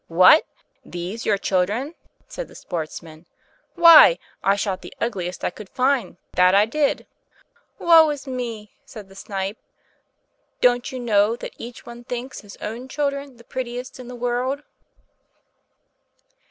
"What! these your children!" said the Sportsman; "why, I shot the ugliest I could find, that I did!" "Woe is me!" said the Snipe; "don't you know that each one thinks his own children the prettiest in the world?"